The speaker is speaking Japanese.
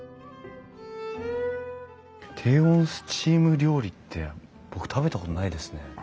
低温スチーム料理って僕食べたことないですね。